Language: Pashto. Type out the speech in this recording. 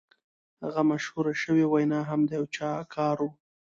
هغه مشهوره شوې وینا هم د یو چا کار و